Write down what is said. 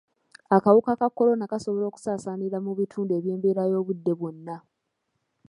Akawuka ka Kolona kasobola okusaasaanira mu bitundu eby’embeera y’obudde bwonna.